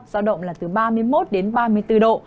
giao động là từ ba mươi một đến ba mươi bốn độ